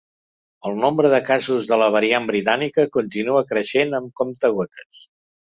El nombre de casos de la variant britànica continua creixent amb comptagotes.